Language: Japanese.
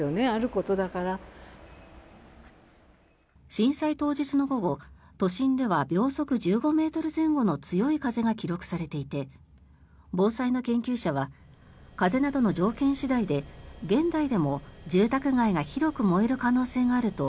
震災当日の午後、都心では秒速１５ｍ前後の強い風が記録されていて防災の研究者は風などの条件次第で現代でも住宅街が広く燃える可能性があると